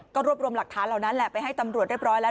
ก็รวบรวมหลักฐานเหล่านั้นแหละไปให้ตำรวจเรียบร้อยแล้ว